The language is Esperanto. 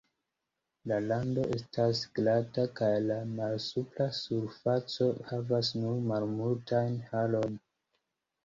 La rando estas glata kaj la malsupra surfaco havas nur malmultajn harojn.